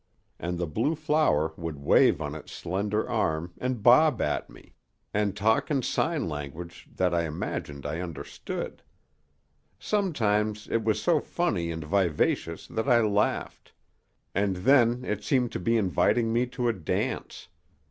And the blue flower would wave on its slender stem, an' bob at me, an' talk in sign language that I imagined I understood. Sometimes it was so funny and vivacious that I laughed, and then it seemed to be inviting me to a dance.